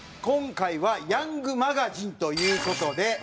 今回は『ヤングマガジン』という事で。